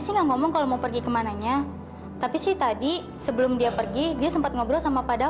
sini ngomong kalau mau pergi ke mananya tapi sih tadi sebelum dia pergi dia sempat ngobrol sama pada